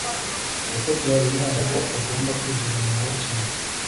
nasabye habimana ko atagomba kwizera mariya cyane